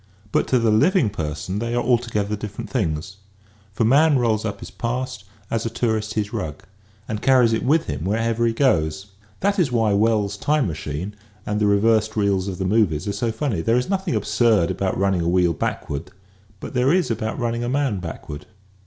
But to the living person they are altogether different things. For man rolls up his past, as a tourist his rug, and carries it with * Bergson: "Time and Free Will," p. 221. 52 EASY LESSONS IN EINSTEIN him wherever he goes. That is why Wells's Time Machine " and the reversed reels of the movies are so funny. There is nothing absurd about running a wheel backward but there is about running a man backward.